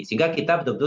sehingga kita betul betul